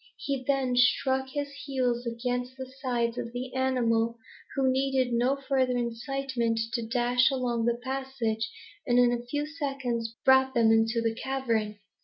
He then struck his heels against the sides of the animal, who needed no further incitement to dash along the passage, and in a few seconds brought them into the cavern.